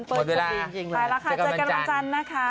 หมดเวลาไปแล้วค่ะเจอกันบรรจันทร์นะคะ